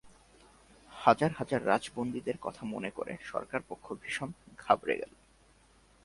হাজার হাজার রাজবন্দীদের কথা মনে করে সরকারপক্ষ ভীষণ ঘাবড়ে গেলো।